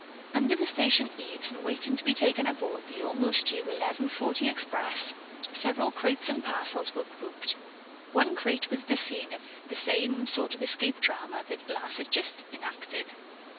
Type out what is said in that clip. Under the station eaves, and waiting to be taken aboard the almost due eleven forty express, several crates and parcels were grouped. One crate was the scene of much the same sort of escape drama that Lass had just enacted.